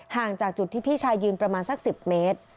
ห่างจากจุดที่พี่ชายยืนประมาณสัก๑๐เมตร